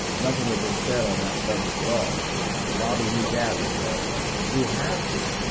Nothing had been said on that subject at all, but Bobby knew Dad would go. He would have to.